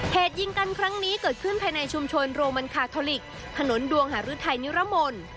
เหตุยิงกันครั้งนี้เกิดขึ้นภายในชุมชนโรมันคาทอลิกถนนดวงหารือไทยนิรมนต์